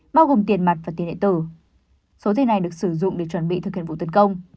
bao gồm tiền mặt và tiền điện tử số tiền này được sử dụng để chuẩn bị thực hiện vụ tấn công